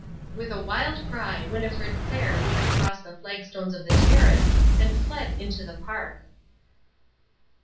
With a wild cry Winnifred Clair leaped across the flagstones of the terrace and fled into the park.